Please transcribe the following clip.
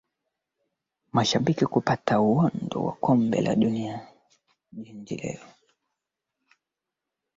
makabidhiano yamefanyika hapa jijini arusha hapa ee kis